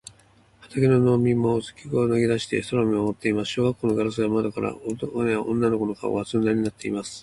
畑の農民もすきくわを投げだして空を見まもっています。小学校のガラス窓からは、男の子や女の子の顔が、鈴なりになっています。